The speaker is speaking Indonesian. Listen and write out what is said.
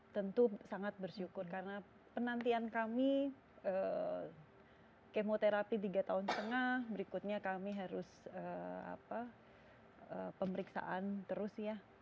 tentu sangat bersyukur karena penantian kami kemoterapi tiga tahun setengah berikutnya kami harus pemeriksaan terus ya